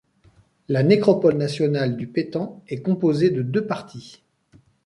La nécropole nationale du Pétant est composée de deux parties.